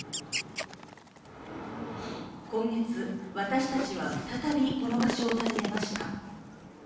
今月、私たちは再びこの場所を訪ねました。